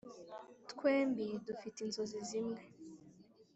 twembi dufite inzozi zimwe.